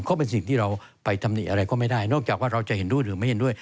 ก็เป็นสิ่งที่เราไปตำหนิอะไรก็ไม่ได้นอกจากว่าเราจะเห็นด้วยหรือไม่เห็นด้วย